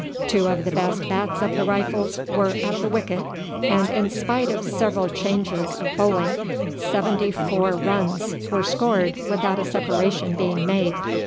Two of the best bats of the Rifles were at the wicket, and in spite of several changes of bowling, seventy four runs were scored without a separation being made.